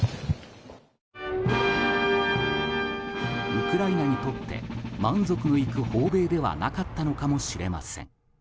ウクライナにとって満足いく訪米ではなかったのかもしれません。